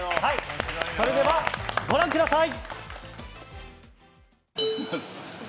それではご覧ください！